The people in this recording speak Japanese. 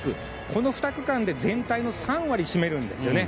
この２区間で全体の３割を占めるんですね。